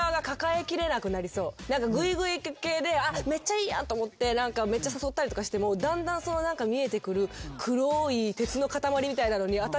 グイグイ系でめっちゃいいやんと思ってめっちゃ誘ったりとかしてもだんだん見えてくる黒い鉄の塊みたいなのに私